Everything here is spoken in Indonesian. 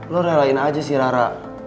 lu lelahin aja sih rara